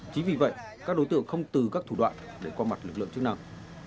chính vì vậy các đối tượng không từ các thủ đoạn để qua mặt lực lượng chức năng